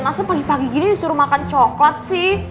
maksudnya pagi pagi gini disuruh makan coklat sih